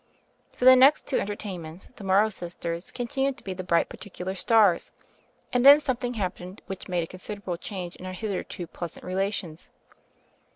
For the next two entertainments the Mor row Sisters continued to be the bright particu lar stars; and then something happened which made a considerable change in our hitherto pleasant relations.